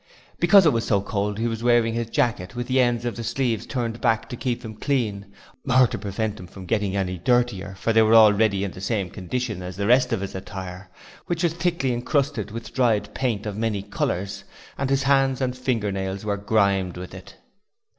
Because it was so cold he was wearing his jacket with the ends of the sleeves turned back to keep them clean, or to prevent them getting any dirtier, for they were already in the same condition as the rest of his attire, which was thickly encrusted with dried paint of many colours, and his hands and fingernails were grimed with it.